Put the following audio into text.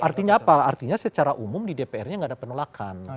artinya apa artinya secara umum di dpr nya nggak ada penolakan